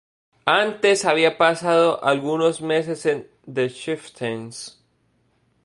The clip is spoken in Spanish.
Antes había pasado algunos meses en The Chieftains.